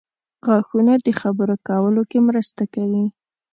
• غاښونه د خبرو کولو کې مرسته کوي.